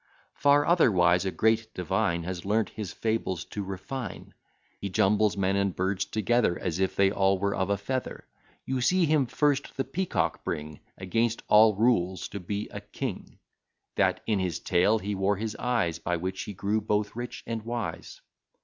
Far otherwise a great divine Has learnt his fables to refine; He jumbles men and birds together, As if they all were of a feather: You see him first the Peacock bring, Against all rules, to be a king; That in his tail he wore his eyes, By which he grew both rich and wise.